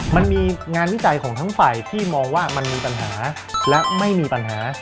มันมีงานวิจัยของทั้งฝ่ายที่มองว่ามันมีปัญหาและไม่มีปัญหา